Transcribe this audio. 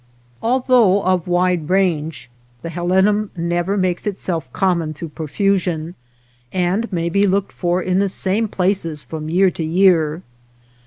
Although of wide 235 OTHER WATER BORDERS range the helenum never makes itself com mon through profusion, and may be looked for in the same places from year to year.